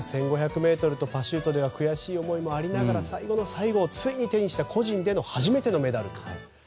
１５００ｍとパシュートでは悔しい思いもありながら最後の最後ついに手にした個人での初めてのメダル。